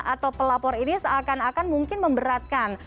atau pelapor ini seakan akan mungkin memberatkan